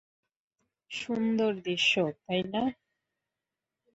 সুন্দর দৃশ্য, তাই না?